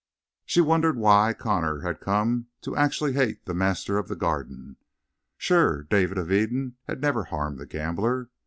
She wondered why Connor had come to actually hate the master of the Garden. Sure David of Eden had never harmed the gambler.